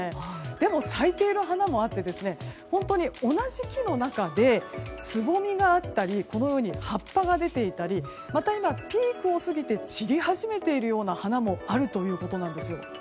でも、咲いている花もあって同じ木の中でつぼみがあったりこのように葉っぱが出ていたりまた、ピークを過ぎて散り始めているような花もあるということなんです。